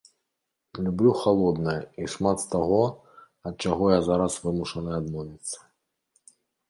Люблю халоднае і шмат з таго, ад чаго я зараз вымушаная адмовіцца.